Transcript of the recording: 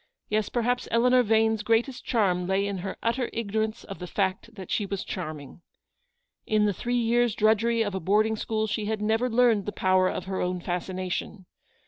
Yes, perhaps Eleanor Vane's greatest charm lay in her utter ignorance of the fact that she was charming. In the three years' drudgery of a boarding school she had never learned the power of her own fascination.